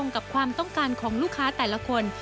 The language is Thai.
กับความต้องการของลูกค้าแต่ละคน